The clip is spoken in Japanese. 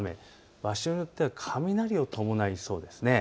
場所によっては雷を伴いそうです。